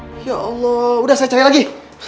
sendiri ya allah udah saya lagi